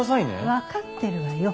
分かってるわよ。